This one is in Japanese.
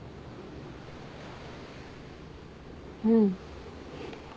うん。